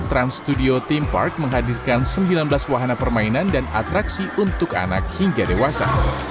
trans studio theme park menghadirkan sembilan belas wahana permainan dan atraksi untuk anak hingga dewasa